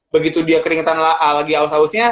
begitu dia keringetan lagi haus ausnya